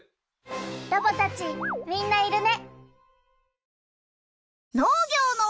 ロボたちみんないるね。